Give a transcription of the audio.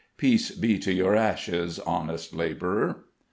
Peace be to your ashes, honest labourer!